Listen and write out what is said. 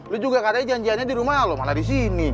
lo juga katanya janjiannya di rumah ya lo mana disini